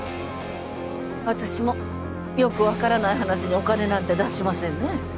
私もよくわからない話にお金なんて出しませんね。